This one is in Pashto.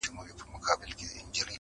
ناګهانه یې د بخت کاسه چپه سوه,